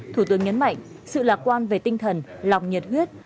thủ tướng nhấn mạnh sự lạc quan về tinh thần lòng nhiệt huyết